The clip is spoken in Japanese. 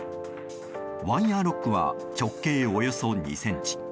ワイヤロックは直径およそ２ｃｍ。